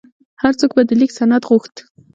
هر څوک به د لیک سند غوښت.